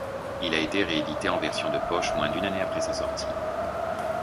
Il a été réédité en version de poche moins d'une année après sa sortie.